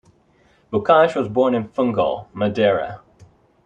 Bocage was born in Funchal, Madeira.